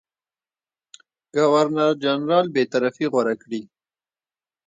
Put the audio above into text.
ګورنرجنرال بېطرفي غوره کړي.